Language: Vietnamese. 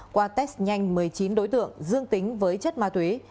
qua test nhanh một mươi chín đối tượng dương tính với chất ma túy